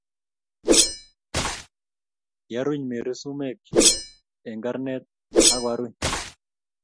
Kiaruny Mary sumek chi eng karnet akoaruny